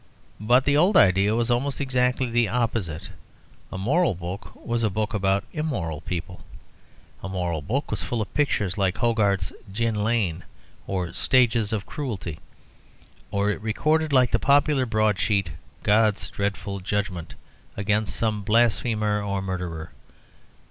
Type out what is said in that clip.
But the old idea was almost exactly the opposite; a moral book was a book about immoral people. A moral book was full of pictures like Hogarth's "Gin Lane" or "Stages of Cruelty," or it recorded, like the popular broadsheet, "God's dreadful judgment" against some blasphemer or murderer.